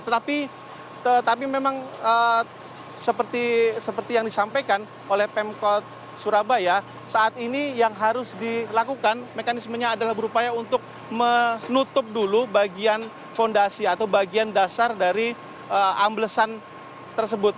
tetapi memang seperti yang disampaikan oleh pemkot surabaya saat ini yang harus dilakukan mekanismenya adalah berupaya untuk menutup dulu bagian fondasi atau bagian dasar dari amblesan tersebut